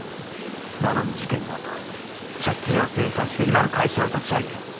なのに事件のあと借金を清算して今の会社を立ち上げ